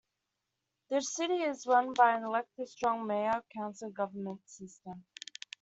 The city is run by an elected strong Mayor-council government system.